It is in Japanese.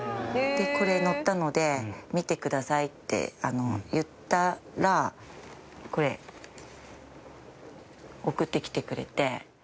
これ載ったので見てくださいって言ったらこれ送って来てくれて。